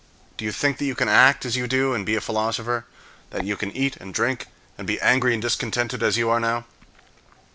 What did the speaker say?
Do you think that you can act as you do, and be a philosopher? That you can eat and drink, and be angry and discontented as you are now?